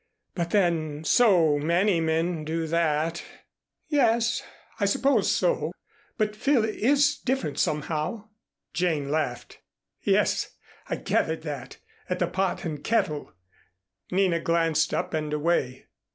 "But then so many men do that." "Yes I suppose so, but Phil is different somehow." Jane laughed. "Yes, I gathered that at the 'Pot and Kettle.'" Nina glanced up and away.